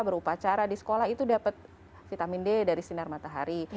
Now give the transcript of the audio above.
berupacara di sekolah itu dapat vitamin d dari sinar matahari